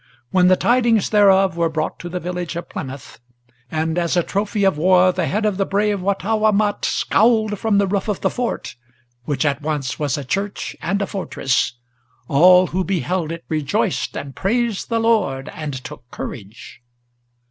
When the tidings thereof were brought to the village of Plymouth, And as a trophy of war the head of the brave Wattawamat Scowled from the roof of the fort, which at once was a church and a fortress, All who beheld it rejoiced, and praised the Lord, and took courage.